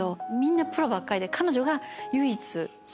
プロばっかりで。